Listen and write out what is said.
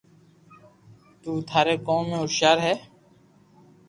تو ٿاري ڪوم ۾ ھوݾيار ھي